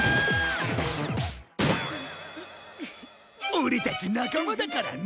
オレたち仲間だからな。